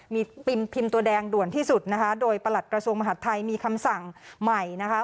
มีพิมพ์ตัวแดงด่วนที่สุดนะคะโดยประหลัดกระทรวงมหาดไทยมีคำสั่งใหม่นะคะ